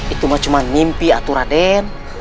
itu mah cuma mimpi atura den